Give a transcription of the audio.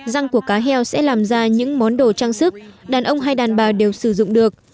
răng của cá heo sẽ làm ra những món đồ trang sức đàn ông hay đàn bà đều sử dụng được